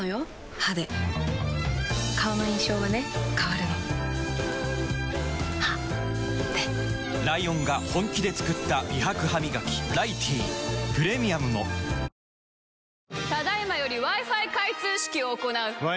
歯で顔の印象はね変わるの歯でライオンが本気で作った美白ハミガキ「ライティー」プレミアムも続いてはソラよみ。